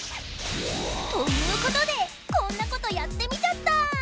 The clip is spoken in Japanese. ということでこんなことやってみちゃったー！